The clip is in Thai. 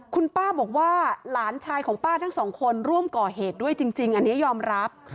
คุณป้าบอกว่าหลานชายของป้าทั้งสองคนร่วมก่อเหตุด้วยจริงอันนี้ยอมรับ